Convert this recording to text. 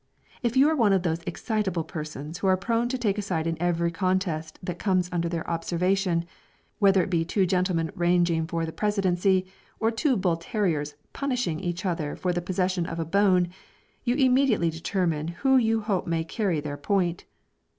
If you are one of those excitable persons who are prone to take a side in every contest that comes under their observation, whether it be two gentlemen ranging for the presidency, or two bull terriers "punishing" each other for the possession of a bone, you immediately determine who you hope may carry their point.